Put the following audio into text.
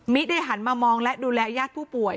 ได้หันมามองและดูแลญาติผู้ป่วย